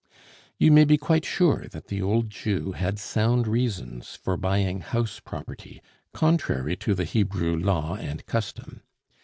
You may be quite sure that the old Jew had sound reasons for buying house property, contrary to the Hebrew law and custom.